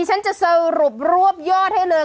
ฉันจะสรุปรวบยอดให้เลย